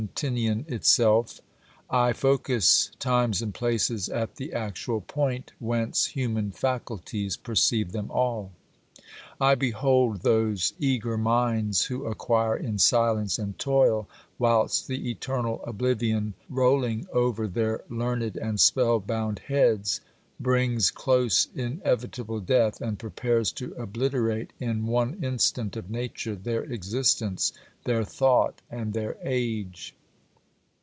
I| Tinian itself, I focus times and places at the actual point whence human faculties perceive them all. I behold those eager minds who acquire in silence and toil, whilst the eternal oblivion, rolling over their learned and spellbound heads, brings close inevitable death, and prepares to D so OBERMANN obliterate in one instant of Nature their existence, their thought and their age.